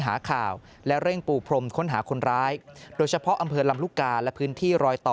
หาข่าวและเร่งปูพรมค้นหาคนร้ายโดยเฉพาะอำเภอลำลูกกาและพื้นที่รอยต่อ